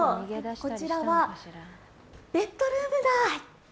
こちらはベッドルームだ。